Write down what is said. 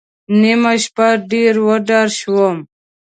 نیمه شپه ډېر وډار شوم.